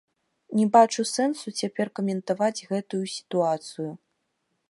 Не бачу сэнсу цяпер каментаваць гэтую сітуацыю.